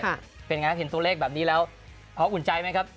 เป็นไงเห็นตัวเลขแบบนี้แล้วพออุ่นใจไหมครับ